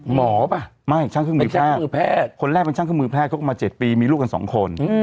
คนแรกเป็นช่างเครื่องมือแพทย์เขาก็มา๗ปีมีลูกกัน๒คน